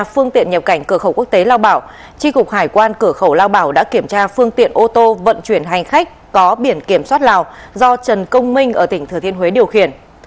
phương tiện nhập cảnh cửa khẩu quốc tế lao bảo tri cục hải quan cửa khẩu lao bảo đã kiểm tra phương tiện ô tô vận chuyển hành khách có biển kiểm soát lào do trần công minh ở tỉnh thừa thiên huế điều khiển